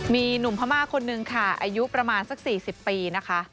มีหนุ่มพม่าคนนึงค่ะอายุประมาณสัก๔๐ปีนะคะ